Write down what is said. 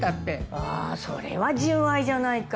ああそれは純愛じゃないか。